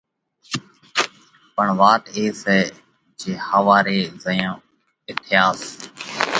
پڻ وات اي سئہ جي ۿواري زئيون اٿياس،